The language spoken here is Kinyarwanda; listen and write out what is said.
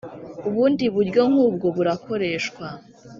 ubundi buryo nk ubwo burakoreshwa